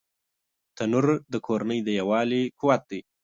تنور د کورنۍ د یووالي قوت دی